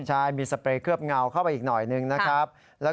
ใช่มีสเปรย์เคลือบเงาเข้าไปอีกหน่อยหนึ่งนะครับ